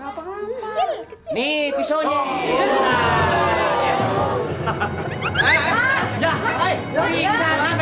astagfirullah ya allah